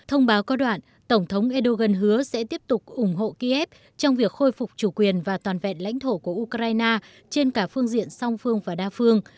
thông báo có đoạn tổng thống erdogan hứa sẽ tiếp tục ủng hộ kiev trong việc khôi phục chủ quyền và toàn vẹn lãnh thổ của ukraine trên cả phương diện song phương và đa phương